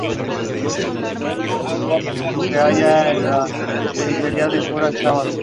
No se supo más de María.